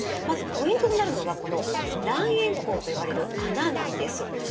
まずポイントとなるのがこの卵円孔と呼ばれる孔なんです。